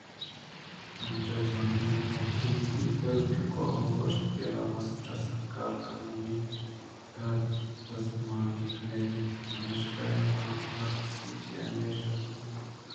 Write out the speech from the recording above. آ انچو زانگ بیتگ کہ کافءِ گوٛشگ ءِ رد ءَ آمستر ءُسرکار ءِ کارانی تہا دزمانجنی کنگ ءَ اَنت پمشکا ہرکس چہ آئی ءَ شِزار ءُدور تچگ ءَاِنت